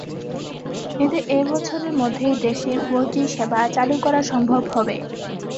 এতে এ বছরের মধ্যেই দেশে ফোরজি সেবা চালু করা সম্ভব হবে।